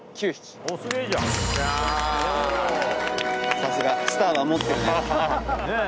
さすがスターは持ってるね。